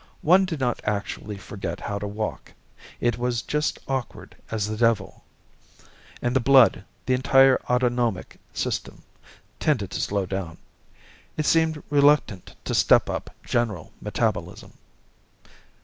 One did not actually forget how to walk. It was just awkward as the devil. And the blood, the entire autonomic system, tended to slow down. It seemed reluctant to step up general metabolism.